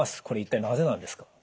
これ一体なぜなんですか？